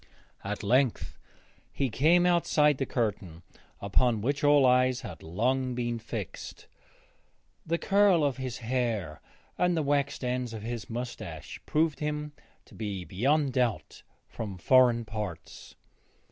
At length he came outside the curtain upon which all eyes had long been fixed. The curl of his hair and the waxed ends of his moustache proved him to be beyond doubt from foreign parts.